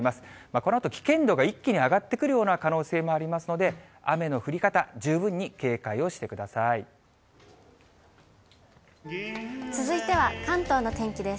このあと危険度が一気に上がってくるような可能性もありますので、雨の降り方、十分に警戒をしてく続いては関東の天気です。